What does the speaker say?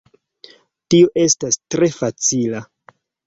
Tio estas tre facila.